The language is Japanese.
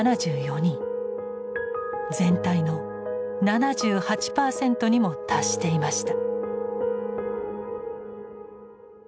全体の７８％にも達していました。